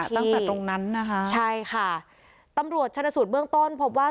ตั้งแต่ตรงนั้นนะคะใช่ค่ะตำรวจชันศูนย์เบื้องต้นพบว่า